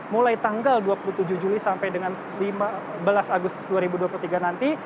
mulai tanggal dua puluh tujuh juli sampai dengan lima belas agustus dua ribu dua puluh tiga nanti